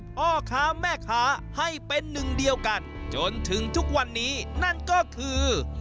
พ่อค้าแม่ค้าให้เป็นหนึ่งเดียวกันจนถึงทุกวันนี้นั่นก็คือ